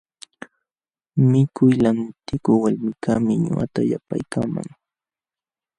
Mikuy lantikuq walmikaqmi ñuqata yapaykaman.